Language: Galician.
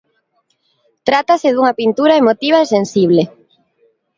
Trátase dunha pintura emotiva e sensible.